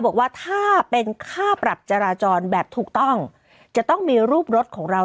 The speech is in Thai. บอกว่าถ้าเป็นค่าปรับจราจรแบบถูกต้องจะต้องมีรูปรถของเรา